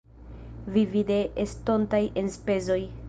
Vivi de estontaj enspezoj.